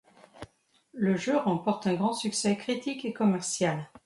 Le jeu remporte un grand succès critique et commercial.